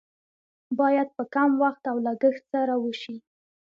باید په کم وخت او لګښت سره وشي.